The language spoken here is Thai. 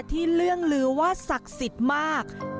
เรื่องลือว่าศักดิ์สิทธิ์มาก